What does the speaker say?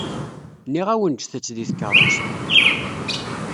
Nniɣ-awen ǧǧet-tt deg tkeṛṛust.